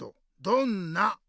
「どんな？」。